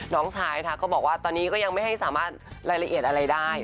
น้องชายค่ะก็บอกว่าตอนนี้ก็ยังไม่ให้สามารถรายละเอียดอะไรได้